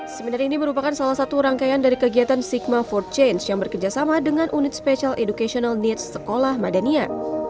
seminar ini merupakan salah satu rangkaian dari kegiatan sigma for change yang bekerjasama dengan unit special educational needs sekolah madania